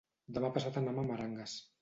Demà passat anam a Meranges.